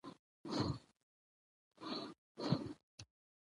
ماشومان د ښوونکو سپارښتنې عملي کوي